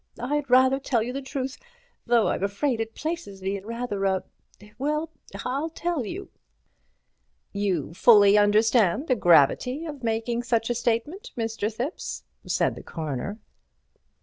I'd rather tell you the truth, though I'm afraid it places me in rather a—well, I'll tell you." "You fully understand the gravity of making such a statement, Mr. Thipps," said the Coroner.